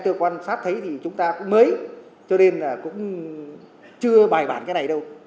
cơ quan sát thấy thì chúng ta cũng mới cho nên là cũng chưa bài bản cái này đâu